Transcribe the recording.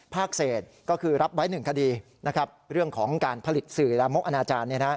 ภาคเศสก็คือรับไว้หนึ่งคดีนะครับเรื่องของการผลิตสื่อลามกอนาจารย์